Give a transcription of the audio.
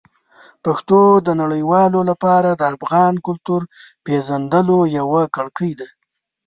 پښتو د نړیوالو لپاره د افغان کلتور پېژندلو یوه کړکۍ ده.